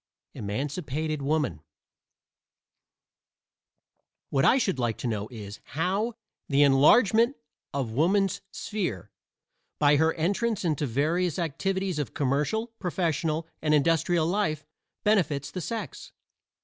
EMANCIPATED WOMAN What I should like to know is, how "the enlargement of woman's sphere" by her entrance into various activities of commercial, professional and industrial life benefits the sex.